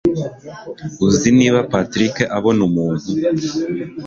Uzi niba patrick abona umuntu?